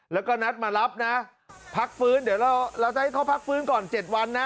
แล้วก็นัดมารับนะพักฟื้นเดี๋ยวเราจะให้เขาพักฟื้นก่อน๗วันนะ